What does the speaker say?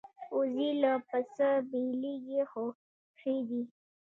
وزې له پسه بېلېږي خو ښې دي